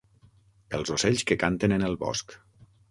Els ocells que canten en el bosc.